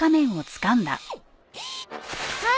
はい。